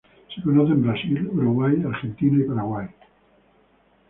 Se conoce en Brasil, Uruguay, Argentina, Paraguay.